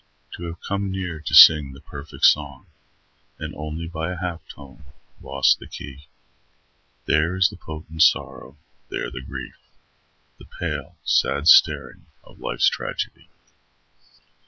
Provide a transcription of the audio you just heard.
To have come near to sing the perfect song And only by a half tone lost the key, There is the potent sorrow, there the grief, The pale, sad staring of life's tragedy.